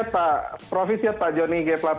provisi ya pak joni g pelate